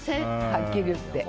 はっきり言って。